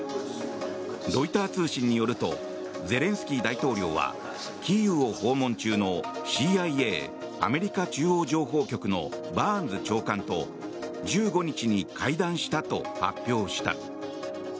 ロイター通信によるとゼレンスキー大統領はキーウを訪問中のＣＩＡ・アメリカ中央情報局のバーンズ長官と１５日に会談したと発表した。